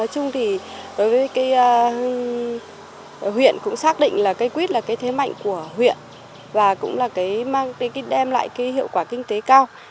huyện cũng xác định là cây quýt là thế mạnh của huyện và cũng đem lại hiệu quả kinh tế cao